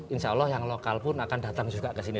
insya allah yang lokal pun akan datang juga ke sini